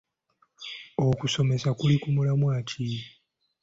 Okusomesa kuli ku mulamwa ki?